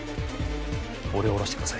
俺を下ろしてください